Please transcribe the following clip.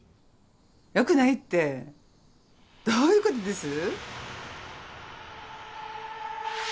良くないってどういうことです？